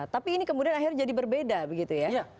tapi ini kemudian akhirnya jadi berbeda begitu ya